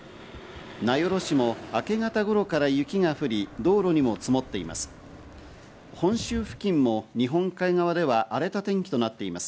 名寄市も明け方ごろから雪が降り、道路にも積もっています。